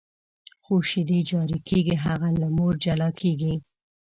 خو شیدې جاري کېږي، هغه له مور جلا کېږي.